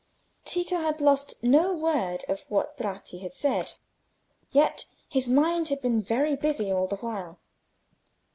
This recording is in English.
Tito had lost no word of what Bratti had said, yet his mind had been very busy all the while.